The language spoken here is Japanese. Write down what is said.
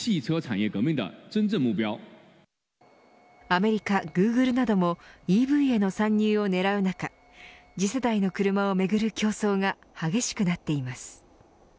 アメリカ、グーグルなどもＥＶへの参入を狙う中次世代の車をめぐる競争が激しくなっています。